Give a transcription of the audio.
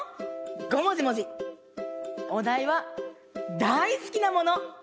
おだいはだいすきなもの。